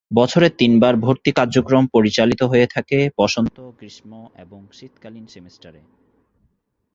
বছরে তিনবার ভর্তি কার্যক্রম পরিচালিত হয়ে থাকে বসন্ত, গ্রীষ্ম এবং শীতকালীন সেমিস্টারে।